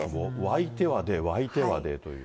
湧いては出、湧いては出という。